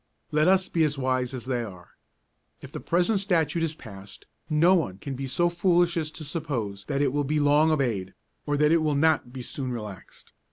Let us be as wise as they are. If the present Statute is passed, no one can be so foolish as to suppose that it will be long obeyed, or that it will not be soon relaxed.